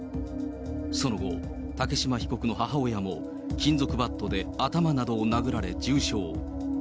その後、竹島被告の母親も金属バットで頭などを殴られ、重傷。